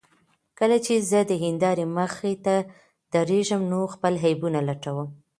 کله چې زه د هندارې مخې ته درېږم نو خپل عیبونه لټوم.